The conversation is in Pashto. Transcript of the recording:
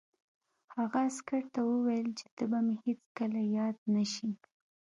هغه عسکر ته وویل چې ته به مې هېڅکله یاد نه شې